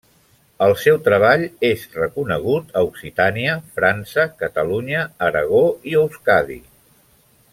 El seu treball és reconegut a Occitània, França, Catalunya, Aragó i Euskadi.